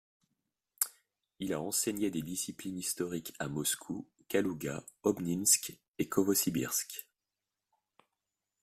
Il a enseigné des disciplines historiques à Moscou, Kalouga, Obninsk et Novossibirsk.